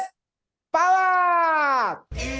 パワー！